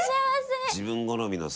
自分好みのさ